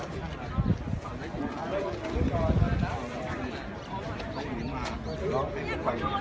มีผู้ที่ได้รับบาดเจ็บและถูกนำตัวส่งโรงพยาบาลเป็นผู้หญิงวัยกลางคน